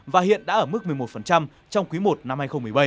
và hiện đã ở mức một mươi một trong quý i năm hai nghìn một mươi bảy